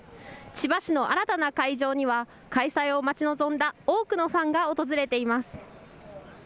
千葉市の新たな会場には開催を待ち望んだ多くのファンが訪れています。